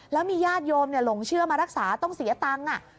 แล้วมีญาติโยมหลงเชื่อมารักษาต้องเสียตังค์